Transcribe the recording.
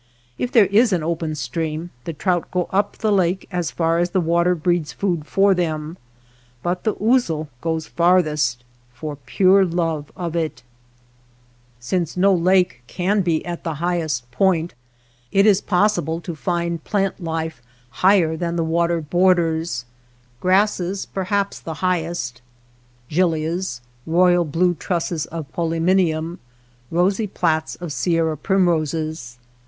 If there is an open stream the trout go up the lake as far as the water breeds food for them, but the ousel goes farthest, for pure love of it. 2IO WATER BORDERS Since no lake can be at the highest point, it is possible to find plant life higher than the water borders ; grasses perhaps the highest, gilias, royal blue trusses of po lymonium, rosy plats of Sierra primroses.